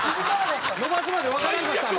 伸ばすまでわからんかったの？